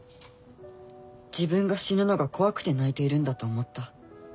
自分が死ぬのが怖くて泣いているんだと思った。